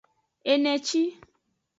Eneci.